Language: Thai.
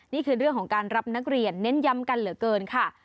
นี่คือเรื่องของการรับนักเรียนเน้นย้ำกันเหลือเกินค่ะ